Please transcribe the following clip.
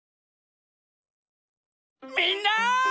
みんな！